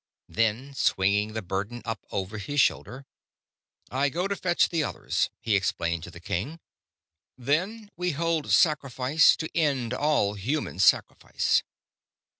Then, swinging the burden up over his shoulder "I go to fetch the others," he explained to his king. "Then we hold sacrifice to end all human sacrifice."